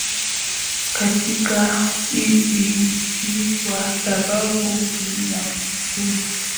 katika hizi nchi kwa sababu zinatumia